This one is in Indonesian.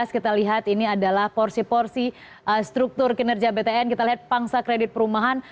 kita lihat ini adalah porsi porsi struktur kinerja btn kita lihat pangsa kredit perumahan